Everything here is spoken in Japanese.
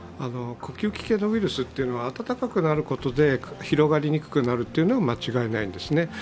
呼吸器系のウイルスは暖かくなることで広がりにくくなるというのは間違いないんですね。